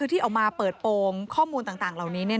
ที่ออกมาเปิดโปรงข้อมูลต่างเหล่านี้